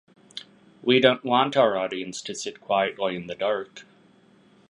We don’t want our audience to sit quietly in the dark.